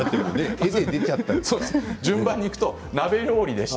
順番で言うと鍋料理でした。